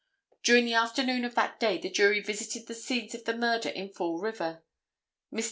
During the afternoon of that day the Jury visited the scenes of the murder in Fall River. Mr.